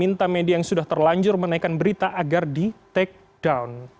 minta media yang sudah terlanjur menaikkan berita agar di take down